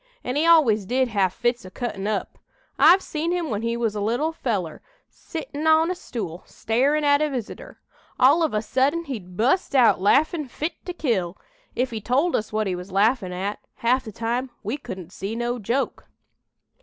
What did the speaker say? An' he always did have fits o' cuttin' up. I've seen him when he was a little feller, settin' on a stool, starin' at a visitor. All of a sudden he'd bu'st out laughin' fit to kill. If he told us what he was laughin' at, half the time we couldn't see no joke.